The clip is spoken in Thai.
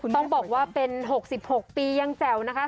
ต้องบอกว่าเป็น๖๖ปียังแจ๋วนะคะ